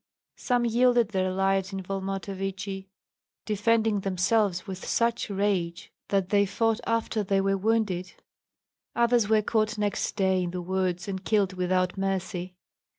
Some yielded their lives in Volmontovichi, defending themselves with such rage that they fought after they were wounded; others were caught next day in the woods and killed without mercy.